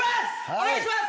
お願いします。